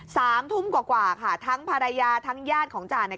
สามทุ่มกว่ากว่าค่ะทั้งภรรยาทั้งญาติของจ่าเนี่ย